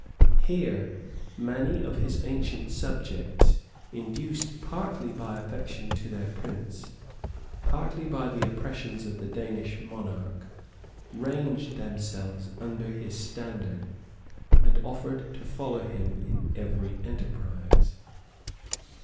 Here many of his ancient subjects, induced partly by affection to their prince, partly by the oppressions of the Danish monarch, ranged themselves under his standard, and offered to follow him in every enterprise.